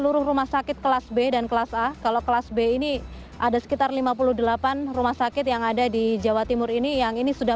seluruh rumah sakit kelas b dan kelas a kalau kelas b ini ada sekitar lima puluh delapan rumah sakit yang ada di jawa timur ini yang ini sudah